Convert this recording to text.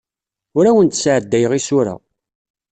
Ur awen-d-sɛeddayeɣ isura.